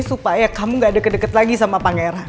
supaya kamu gak deket deket lagi sama pangeran